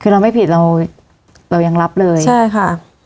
คือเราไม่ผิดเราเรายังรับเลยใช่ค่ะ